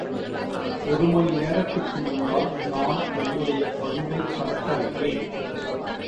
ஒரு மணிநேரத்திற்கு முன்னால் நான் என்னுடைய பருந்தைப் பறக்கவிட்டேன்.